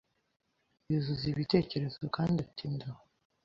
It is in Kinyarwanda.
yuzuza ibitekerezo kandi atinda aho